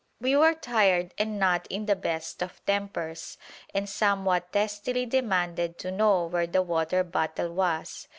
We were tired and not in the best of tempers, and somewhat testily demanded to know where the water bottle was.